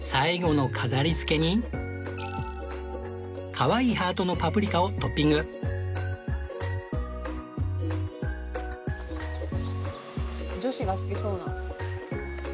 かわいいハートのパプリカをトッピング女子が好きそうな。